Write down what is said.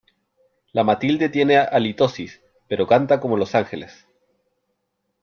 La Matilde tiene halitosis, pero canta como los ángeles.